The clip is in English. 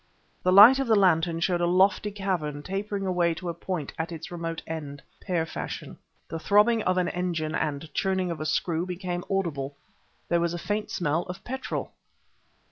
The light of the lantern showed a lofty cavern tapering away to a point at its remote end, pear fashion. The throbbing of an engine and churning of a screw became audible. There was a faint smell of petrol.